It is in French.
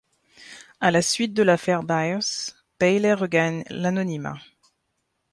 À la suite de l'affaire Byers, Bailey regagne l'anonymat.